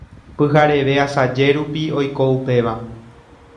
Pyhareve asaje rupi oiko upéva.